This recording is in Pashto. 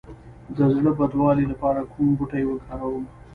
د زړه بدوالي لپاره کوم بوټی وکاروم؟